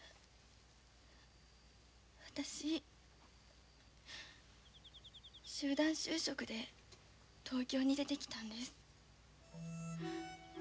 私集団就職で東京に出てきたんです。